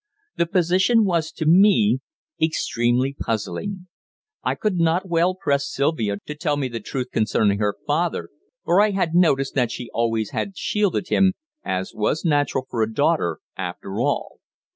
The position was, to me, extremely puzzling. I could not well press Sylvia to tell me the truth concerning her father, for I had noticed that she always had shielded him, as was natural for a daughter, after all.